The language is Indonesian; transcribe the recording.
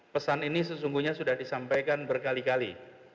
pesan ini sesungguhnya sudah disampaikan berkali kali